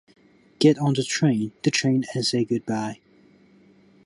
Get on the train, the train and say goodbye.